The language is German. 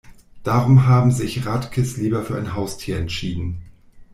Darum haben sich Radkes lieber für ein Haustier entschieden.